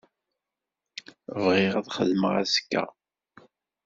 Bɣiɣ ad xedmeɣ azekka.